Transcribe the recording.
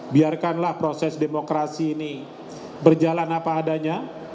biarkanlah proses demokrasi ini berjalan apa adanya